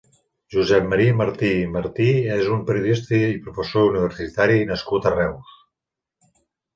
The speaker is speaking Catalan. Josep Maria Martí i Martí és un periodista i professor universitari nascut a Reus.